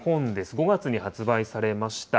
５月に発売されました。